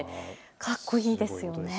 かっこいいですよね。